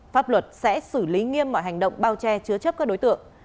pháp luật sẽ xử lý nghiêm mọi hành động bao che chứa chấp các đối tượng